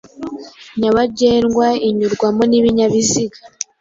nyabagendwa inyurwamo n’ibinyabiziga